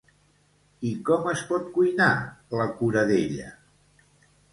I com es pot cuinar, la coradella?